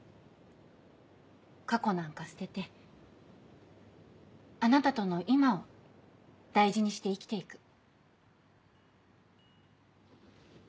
過去なんか捨ててあなたとの今を大事にして生きて行く。